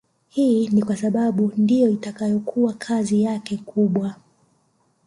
Hii ni kwa sababu ndiyo itakayokuwa kazi yake kubwa